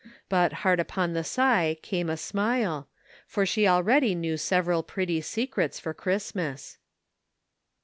But hard upon the sigh came a smile, for she already knew several pretty secrets for Christmas.